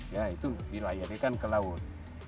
ya itu dilayarkan ke laut